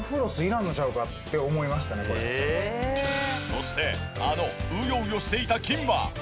そしてあのウヨウヨしていた菌は。